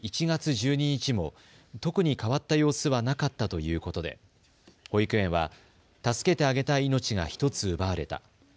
１月１２日も特に変わった様子はなかったということで保育園は助けてあげたい命が１つ奪われた。